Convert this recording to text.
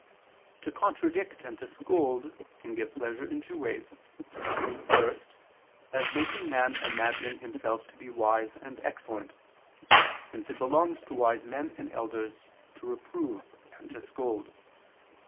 To contradict and to scold can give pleasure in two ways. First, as making man imagine himself to be wise and excellent; since it belongs to wise men and elders to reprove and to scold.